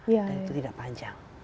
dan itu tidak panjang